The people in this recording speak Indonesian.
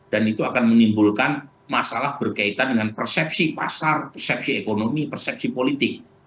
dan itu akan menimbulkan masalah berkaitan dengan persepsi pasar persepsi ekonomi persepsi politik